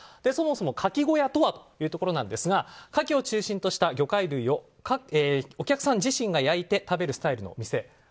そもそもかき小屋とはというところなんですがかきを中心とした魚介類をお客さん自身が焼いて食べるスタイルの店。